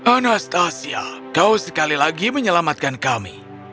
anastasia kau sekali lagi menyelamatkan kami